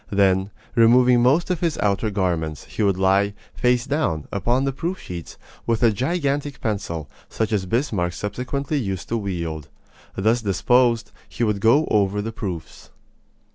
Then, removing most of his outer garments, he would lie, face down, upon the proof sheets, with a gigantic pencil, such as Bismarck subsequently used to wield. Thus disposed, he would go over the proofs.